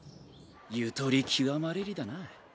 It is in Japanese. ゆとり極まれりだな。